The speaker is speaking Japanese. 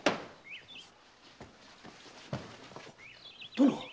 殿！